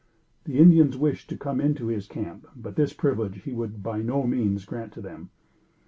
The Indians wished to come into his camp, but this privilege he would by no means grant to them.